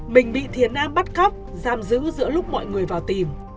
mình bị thiệt nam bắt cóc giam giữ giữa lúc mọi người vào tìm